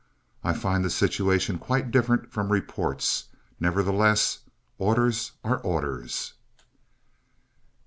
I find the situation quite different from reports; nevertheless orders are orders."